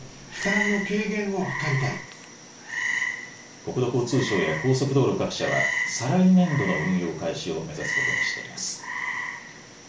国土交通省や高速道路各社は再来年度の運用開始を目指すことにしています。